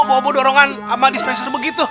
bawa bawa dorongan sama dispenser begitu